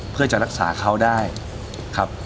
เพื่อจะรักษาเขาได้ครับ